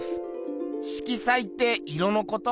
色彩って色のこと？